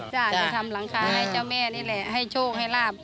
จะทำหลังคาให้เจ้าแม่นี่แหละให้โชคให้ลาบ